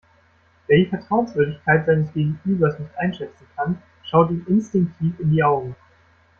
Wer die Vertrauenswürdigkeit seines Gegenübers nicht einschätzen kann, schaut ihm instinktiv in die Augen.